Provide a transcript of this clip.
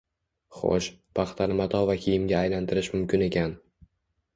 Xo‘sh, paxtani mato va kiyimga aylantirish mumkin ekan